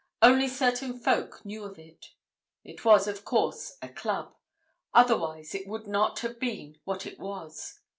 Only certain folk knew of it. It was, of course, a club; otherwise it would not have been what it was.